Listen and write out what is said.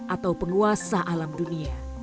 atau penguasa alam dunia